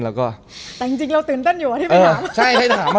แต่จริงเราตื่นเต้นอยู่แล้วที่เขามัน